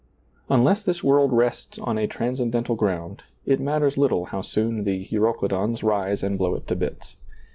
Unless this world rests on a transcendental ground, it matters little how soon the euroclydons rise and blow it to bits.